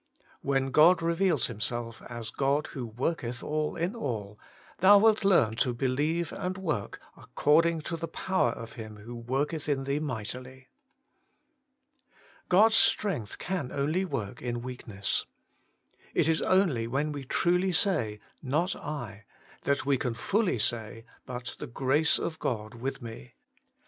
When God reveals Himself as ' God who worketh all in all/ thou wilt learn to believe and work ' according to the power of Him who worketh in thee mightily.' God's strength can only work in weak ness. — It is only when we truly say, Not II Working for God 135 that we can fully say, but the grace of God with me.